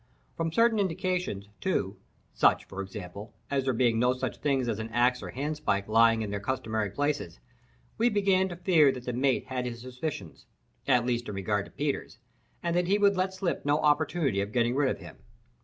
From certain indications, too—such, for example, as there being no such thing as an axe or a handspike lying in their customary places—we began to fear that the mate had his suspicions, at least in regard to Peters, and that he would let slip no opportunity of getting rid of him.